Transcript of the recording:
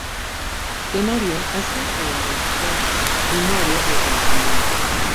Tenorio hace oídos sordos y muere repentinamente.